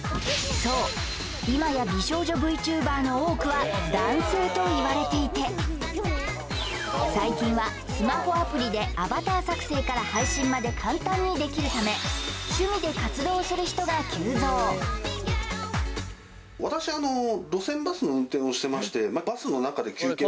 そう今や美少女ＶＴｕｂｅｒの多くは男性といわれていて最近はスマホアプリでアバター作成から配信まで簡単にできるため趣味で活動する人が急増確かに顔ちなみにへえ！